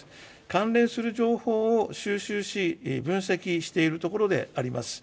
関連する情報を収集し、分析しているところであります。